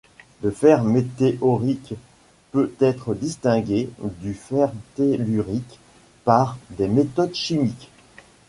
Le fer météorique peut être distingué du fer tellurique par des méthodes chimiques.